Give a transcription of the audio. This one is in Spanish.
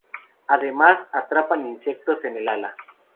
Además atrapan insectos en el ala.